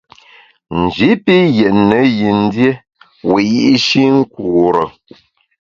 Nji pi yètne yin dié wiyi’shi nkure.